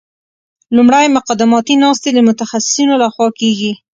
لومړی مقدماتي ناستې د متخصصینو لخوا کیږي